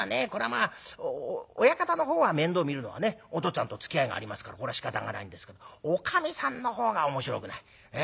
まぁ親方のほうは面倒を見るのはねお父っつぁんとつきあいがありますからこれはしかたがないんですけどおかみさんのほうが面白くない。